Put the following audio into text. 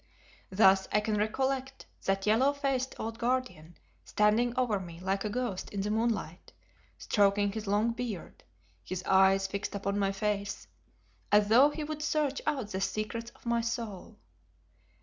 Thus I can recollect that yellow faced old Guardian standing over me like a ghost in the moonlight, stroking his long beard, his eyes fixed upon my face, as though he would search out the secrets of my soul.